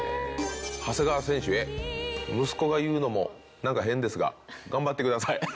「長谷川選手へ息子が言うのも何か変ですががんばってください。